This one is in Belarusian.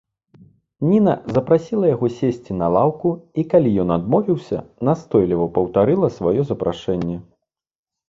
Ніна запрасіла яго сесці на лаўку і, калі ён адмовіўся, настойліва паўтарыла сваё запрашэнне.